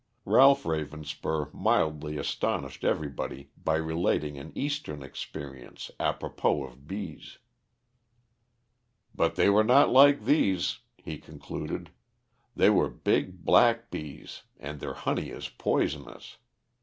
Ralph Ravenspur mildly astonished everybody by relating an Eastern experience apropos of bees. "But they were not like these," he concluded. "They were big black bees and their honey is poisonous.